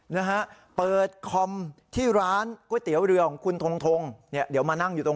นะฮะเปิดคอมที่ร้านก๋วยเตี๋ยวเรือของคุณทงทงเนี่ยเดี๋ยวมานั่งอยู่ตรง